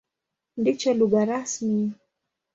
Ndicho lugha rasmi.